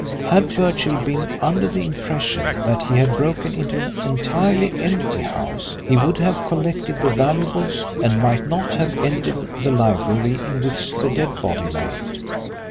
Had Birchill been under the impression that he had broken into an entirely empty house he would have collected the valuables and might not have entered the library in which the dead body lay.